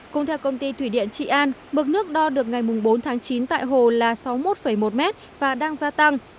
cùng theo công ty thủy điện trị an mực nước đo được ngày bốn tháng chín tại hồ là sáu mươi một một mét và đang gia tăng